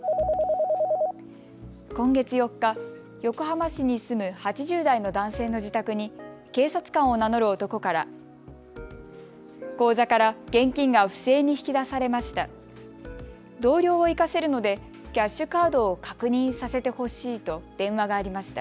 今月４日、横浜市に住む８０代の男性の自宅に警察官を名乗る男から口座から現金が不正に引き出されました。